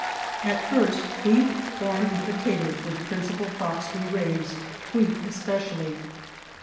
At first, wheat, corn, and potatoes were the principal crops we raised; wheat especially.